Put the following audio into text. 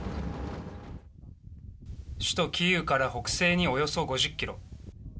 首都キーウから北西におよそ５０キロ。